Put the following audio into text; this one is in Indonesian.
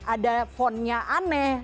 ada fontnya aneh